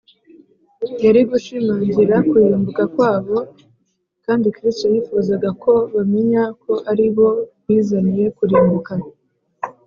yari gushimangira kurimbuka kwabo, kandi kristo yifuzaga ko bamenya ko ari bo bizaniye kurimbuka